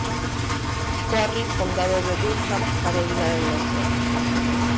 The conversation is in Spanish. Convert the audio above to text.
Quarry, Condado de Durham, Carolina del Norte.